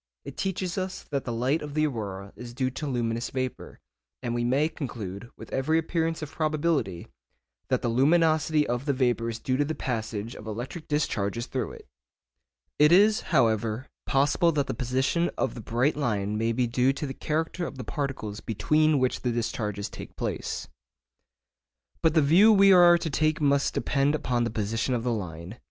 It teaches us that the light of the aurora is due to luminous vapour, and we may conclude, with every appearance of probability, that the luminosity of the vapour is due to the passage of electric discharges through it. It is, however, possible that the position of the bright line may be due to the character of the particles between which the discharges take place. But the view we are to take must depend upon the position of the line.